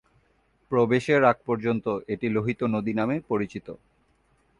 প্রবেশের আগ পর্যন্ত এটি লোহিত নদী নামে পরিচিত।